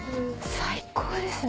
最高ですね。